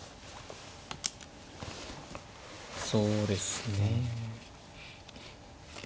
そうですね。